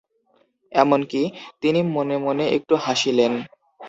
এমন-কি, তিনি মনে মনে একটু হাসিলেন।